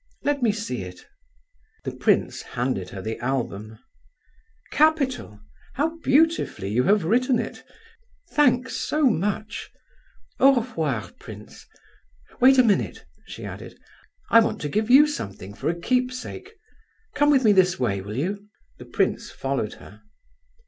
Let me see it." The prince handed her the album. "Capital! How beautifully you have written it! Thanks so much. Au revoir, prince. Wait a minute," she added, "I want to give you something for a keepsake. Come with me this way, will you?" The prince followed her.